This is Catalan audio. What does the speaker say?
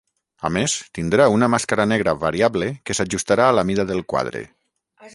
A més, tindrà una màscara negra variable que s'ajustarà a la mida del quadre.